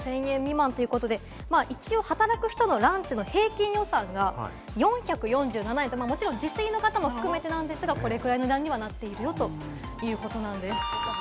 一応、働く人のランチの平均予算が４４７円と、もちろん自炊の方も含めてですが、これぐらいの値段にはなっているよということです。